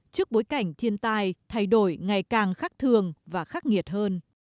trước bối cảnh thiên tai thay đổi ngày càng khắc thường và khắc nghiệt hơn